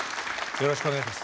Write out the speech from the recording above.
よろしくお願いします。